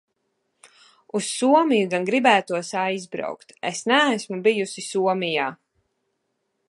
Uz Somiju gan gribētos aizbraukt. Es neesmu bijusi Somijā.